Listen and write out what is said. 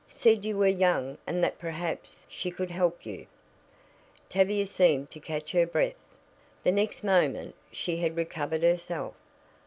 Said you were young, and that perhaps she could help you " Tavia seemed to catch her breath. The next moment she had recovered herself.